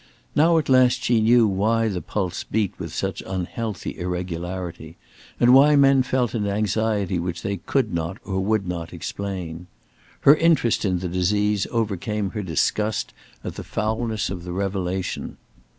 Now at last she knew why the pulse beat with such unhealthy irregularity, and why men felt an anxiety which they could not or would not explain. Her interest in the disease overcame her disgust at the foulness of the revelation.